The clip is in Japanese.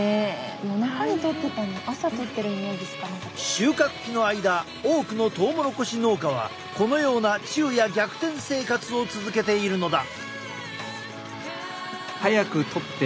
収穫期の間多くのトウモロコシ農家はこのような昼夜逆転生活を続けているのだ。